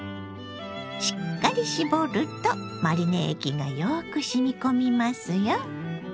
しっかり絞るとマリネ液がよくしみこみますよ。